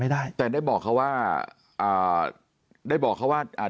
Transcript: ได้บอกเขาว่า